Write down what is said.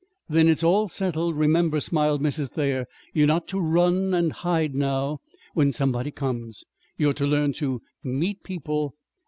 "Then it's all settled, remember," smiled Mrs. Thayer. "You're not to run and hide now when somebody comes. You're to learn to meet people.